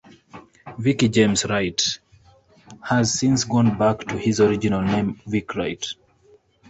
Vicki James Wright has since gone back to his original name, Vick Wright.